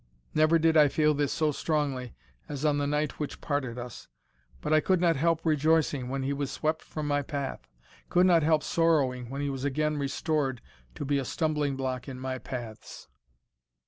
Never did I feel this so strongly as on the night which parted us. But I could not help rejoicing when he was swept from my path could not help sorrowing when he was again restored to be a stumbling block in my paths."